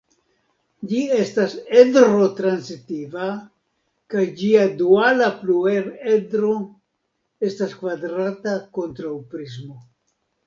Ĝi estas edro-transitiva kaj ĝia duala pluredro estas kvadrata kontraŭprismo.